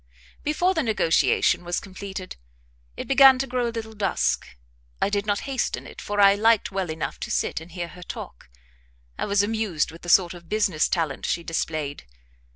Before the negotiation was completed, it began to grow a little dusk. I did not hasten it, for I liked well enough to sit and hear her talk; I was amused with the sort of business talent she displayed.